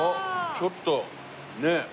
ちょっとねえ。